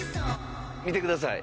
見てください。